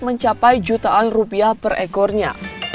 mencapai jutaan rupiah per ekornya